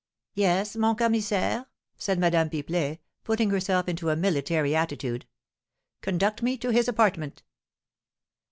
"Yes, mon commissaire," said Madame Pipelet, putting herself into a military attitude. "Conduct me to his apartment."